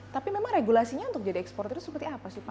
tapi memang regulasinya untuk jadi eksporter itu seperti apa sih pak